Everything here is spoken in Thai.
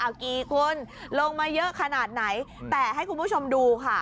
เอากี่คนลงมาเยอะขนาดไหนแต่ให้คุณผู้ชมดูค่ะ